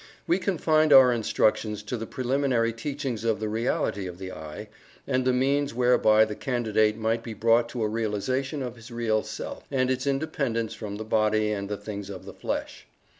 We confined our instructions to the preliminary teachings of the reality of the "I," and the means whereby the Candidate might be brought to a realization of his real Self, and its independence from the body and the things of the flesh.